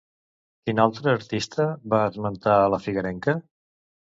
Quin altre artista va esmentar a la figuerenca?